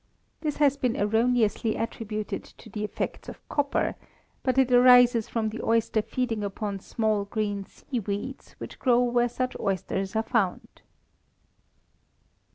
_ This has been erroneously attributed to the effects of copper; but it arises from the oyster feeding upon small green sea weeds, which grow where such oysters are found.